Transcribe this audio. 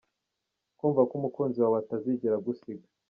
Kumva ko umukunzi wawe atazigera agusiga.